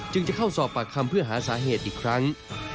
จะเข้าสอบปากคำเพื่อหาสาเหตุอีกครั้ง